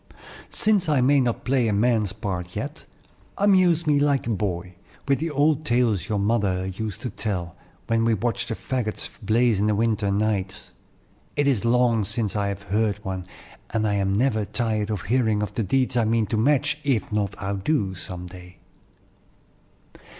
"Since I may not play a man's part yet, amuse me like a boy, with the old tales your mother used to tell, when we watched the fagots blaze in the winter nights. It is long since I have heard one, and I am never tired hearing of the deeds I mean to match, if not outdo, some day.